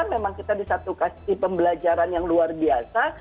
memang kita di satu kasih pembelajaran yang luar biasa